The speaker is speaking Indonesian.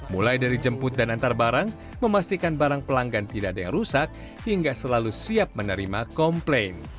mulai dari jemput dan antar barang memastikan barang pelanggan tidak ada yang rusak hingga selalu siap menerima komplain